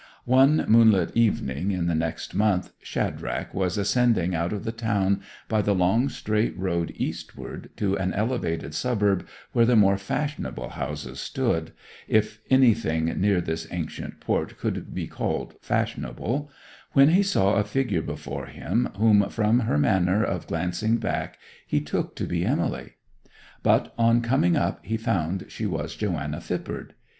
One moonlight evening in the next month Shadrach was ascending out of the town by the long straight road eastward, to an elevated suburb where the more fashionable houses stood—if anything near this ancient port could be called fashionable—when he saw a figure before him whom, from her manner of glancing back, he took to be Emily. But, on coming up, he found she was Joanna Phippard.